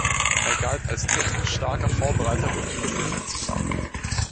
Er galt als technisch starker Vorbereiter mit guter Defensivarbeit.